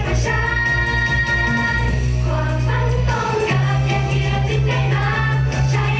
เพราะมันเป็นชีวิตที่สื่อด้วยกลับใจ